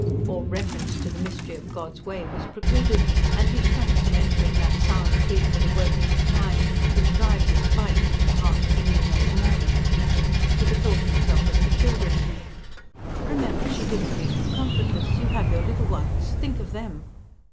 All reference to the mystery of God's way was precluded; and he shrank from entering that sound plea for the working of Time, which drives a spike into the heart of the new made mourner. He bethought himself of the children. "Remember, she did not leave you comfortless. You have your little ones. Think of them."